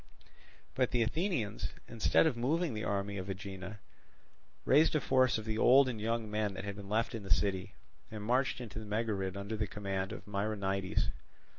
But the Athenians, instead of moving the army of Aegina, raised a force of the old and young men that had been left in the city, and marched into the Megarid under the command of Myronides.